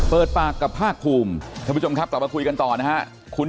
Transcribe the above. เปิดปากกับภาคภูมิท่านผู้ชมครับกลับมาคุยกันต่อนะฮะ